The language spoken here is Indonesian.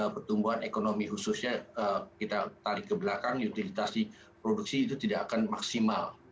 pertumbuhan ekonomi khususnya kita tarik ke belakang utilisasi produksi itu tidak akan maksimal